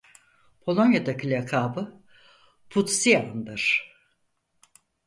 Polonya'daki lakabı "Pudzian"dır.